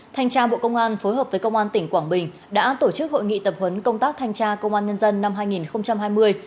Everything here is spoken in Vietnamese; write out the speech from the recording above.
thanh tra bộ công an phối hợp với công an tỉnh quảng bình đã tổ chức hội nghị tập huấn công tác thanh tra công an nhân dân năm hai nghìn hai mươi